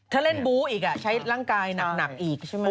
ถ้าเล่นบู๊อีกใช้ร่างกายหนักอีกใช่ไหม